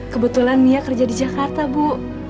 kebetulan mia kerja di jakarta bu